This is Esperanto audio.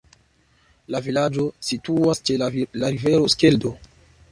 La vilaĝo situas ĉe la rivero Skeldo.